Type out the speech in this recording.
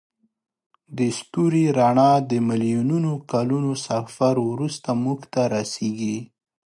د ستوري رڼا د میلیونونو کلونو سفر وروسته موږ ته رسیږي.